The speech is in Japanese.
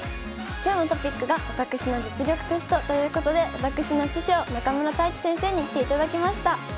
今日のトピックが私の実力テストということで私の師匠中村太地先生に来ていただきました。